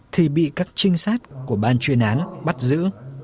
thì bị các trinh sát của ban chuyên án bắt giữ